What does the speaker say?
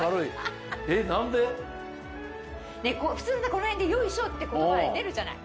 この辺で「よいしょ」って言葉が出るじゃない。